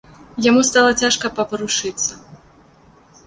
Яму стала цяжка паварушыцца.